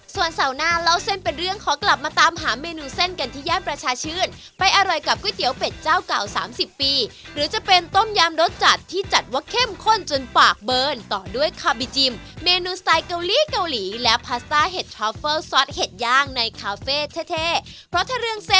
ส่วนเสาร์หน้าเล่าเส้นเป็นเรื่องขอกลับมาตามหาเมนูเส้นกันที่ย่านประชาชื่นไปอร่อยกับก๋วยเตี๋ยวเป็ดเจ้าเก่า๓๐ปีหรือจะเป็นต้มยำรสจัดที่จัดว่าเข้มข้นจนปากเบิร์นต่อด้วยคาบิจิมเมนูสไตล์เกาหลีเกาหลีและพาสต้าเห็ดทอฟเฟิลซอสเห็ดย่างในคาเฟ่เท่เพราะถ้าเรื่อง